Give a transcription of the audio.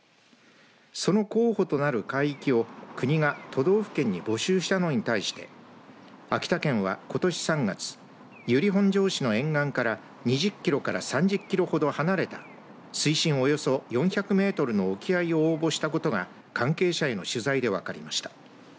その候補となる海域を国が都道府県に募集したのに対して秋田県はことし３月由利本荘市の沿岸から２０キロから３０キロほど離れた水深およそ４００メートルの沖合を応募したことが関係者への取材で分かりました。